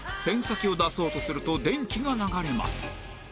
ペン先を出そうとすると電気が流れます